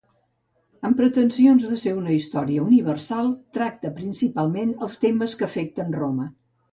Amb pretensions de ser una història universal, tracta principalment els temes que afecten Roma.